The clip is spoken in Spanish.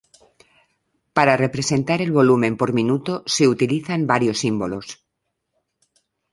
Para representar el volumen por minuto se utilizan varios símbolos.